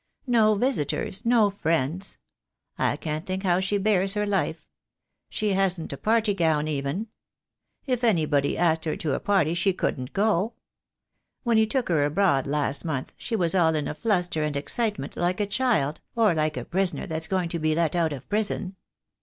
No visitors, no friends. I can't think how she bears her life. She hasn't a party gown, even. If anybody asked her to a party she couldn't go. When he took her abroad last month she was all in a fluster and excitement, just like a child, or like a prisoner that's going to be let out of prison.